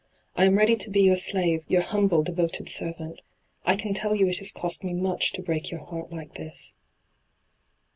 I am ready to be your slave, your humble, devoted servant. I can tell you it has cost me much to break your heart like this.'